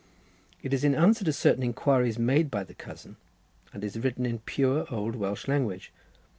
It is in answer to certain inquiries made by the cousin, and is written in pure old Welsh language.